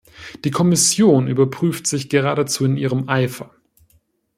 Die Kommission übertrifft sich geradezu in ihrem Eifer.